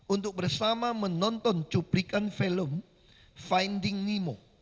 untuk bersama menonton cuplikan film finding nemo